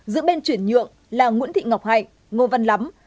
giữa bên chuyển nhượng là nguyễn thị ngọc hạnh ngô văn lắm